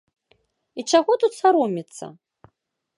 І чаго тут саромецца?